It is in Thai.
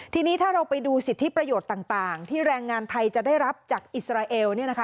ทีนี้ถ้าเราไปดูสิทธิประโยชน์ต่างที่แรงงานไทยจะได้รับจากอิสราเอล